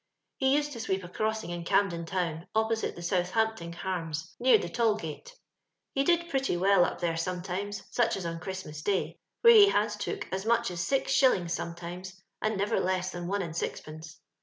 He used to sweep a crossing in Camden town, opposite the Southampting Harms, near the toU gate. " He did pretty well up there sometimes, such as on Christmas day, where he has took as much as six shillings sometimes, and never less than one and sixpence.